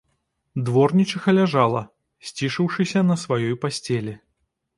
Дворнічыха ляжала, сцішыўшыся на сваёй пасцелі.